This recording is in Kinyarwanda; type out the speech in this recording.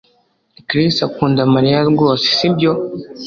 Chris akunda Mariya rwose sibyo